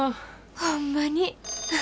ホンマに。